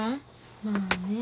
まあね。